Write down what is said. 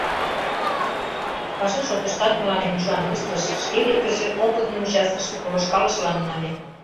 Паша шотыштат мыланем ӱшаным ыштыш: шке декыже опытный участкыш полышкалышылан нале...